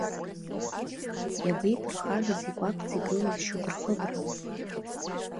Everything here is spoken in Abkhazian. Иабеиԥырхагаз икәаԥӡа игылаз шьоук рхыбра?